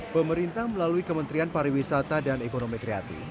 pemerintah melalui kementerian pariwisata dan ekonomi kreatif